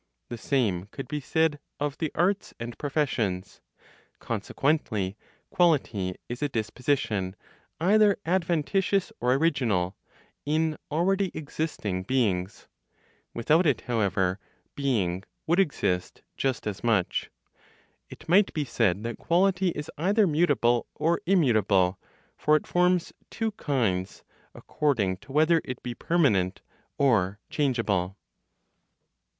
The same could be said of the arts and professions. Consequently, quality is a disposition, either adventitious or original, in already existing beings. Without it, however, being would exist just as much. It might be said that quality is either mutable or immutable; for it forms two kinds, according to whether it be permanent or changeable.